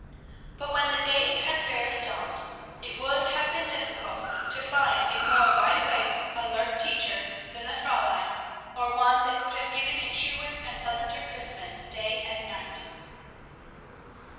But when the day had fairly dawned, it would have been difficult to find a more wide awake, alert teacher than the Fräulein, or one that could have given a truer and pleasanter Christmas day and night.